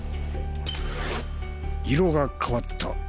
色が変わった。